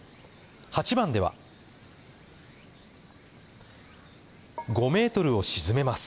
８番では、５ｍを沈めます。